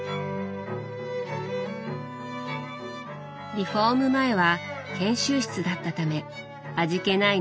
リフォーム前は研修室だったため味気ない